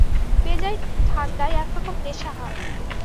বেজায় ঠাণ্ডায় এক রকম নেশা হয়।